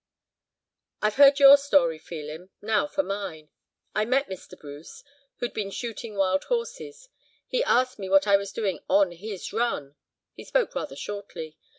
"I've heard your story, Phelim, now for mine. I met Mr. Bruce, who'd been shooting wild horses. He asked me what I was doing on his run—he spoke rather shortly.